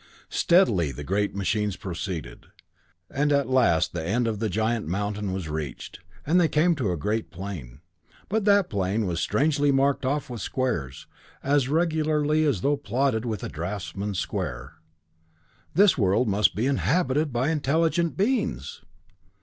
Steadily the great machines proceeded, and at last the end of the giant mountain was reached, and they came to a great plain. But that plain was strangely marked off with squares, as regularly as though plotted with a draftsman's square. This world must be inhabited by intelligent beings!